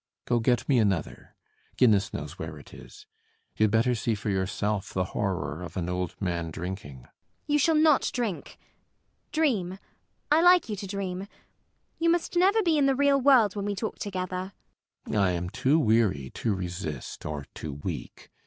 Go get me another: Guinness knows where it is. You had better see for yourself the horror of an old man drinking. ELLIE. You shall not drink. Dream. I like you to dream. You must never be in the real world when we talk together. CAPTAIN SHOTOVER. I am too weary to resist, or too weak.